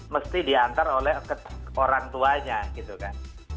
mesti diantar oleh orang tuanya gitu kan